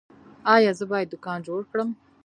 ایا زه باید دوکان جوړ کړم؟